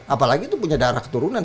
apalagi itu punya daerah keturunan